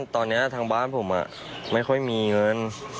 ตอนนี้ทางบ้านผมไม่ค่อยมีเงิน